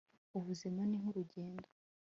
ubuzima ni nkurugendo